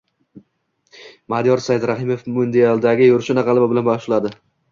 Madiyor Saidrahimov mundialdagi yurishini g‘alaba bilan boshladi